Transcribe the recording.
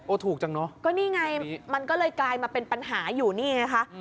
ถูกจังเนอะก็นี่ไงมันก็เลยกลายมาเป็นปัญหาอยู่นี่ไงคะ